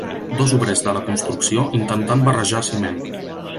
Dos obrers de la construcció intentant barrejar ciment.